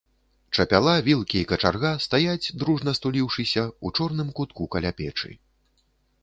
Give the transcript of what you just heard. Чапяла, вілкі і качарга стаяць, дружна стуліўшыся, у чорным кутку каля печы.